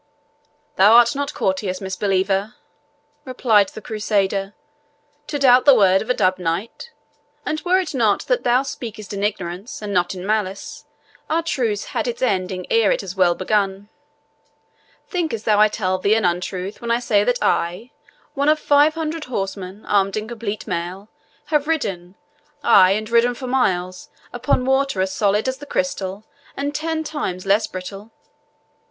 "Thou art not courteous, misbeliever," replied the Crusader, "to doubt the word of a dubbed knight; and were it not that thou speakest in ignorance, and not in malice, our truce had its ending ere it is well begun. Thinkest thou I tell thee an untruth when I say that I, one of five hundred horsemen, armed in complete mail, have ridden ay, and ridden for miles, upon water as solid as the crystal, and ten times less brittle?"